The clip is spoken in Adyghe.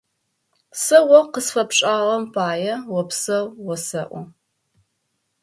Сэ о къысфэпшӏагъэм пае опсэу осэӏо.